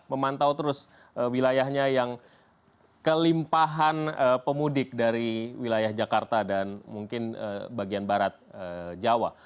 memantau terus wilayahnya yang kelimpahan pemudik dari wilayah jakarta dan mungkin bagian barat jawa